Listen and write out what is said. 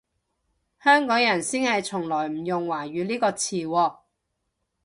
香港人先係從來唔用華語呢個詞喎